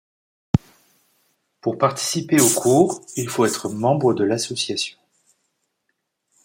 Pour participer aux cours, il faut être membre de l’association.